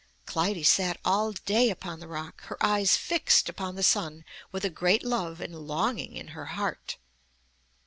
Clytie sat all day upon the rock, her eyes fixed upon the sun with a great love and longing in her heart.